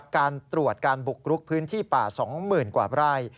การตรวจการบุกรุกพื้นที่ป่าสองหมื่นกว่าไร้